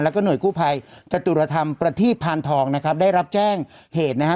แล้วก็หน่วยกู้ภัยจตุรธรรมประทีพานทองนะครับได้รับแจ้งเหตุนะฮะ